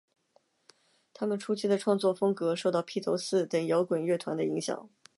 她们初期的创作风格受到披头四等摇滚乐团的影响。